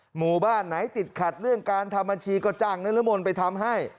หมู่บ้านไหนติดขัดเรื่องการทำบัญชีก็จ้างนรมนต์ไปทำให้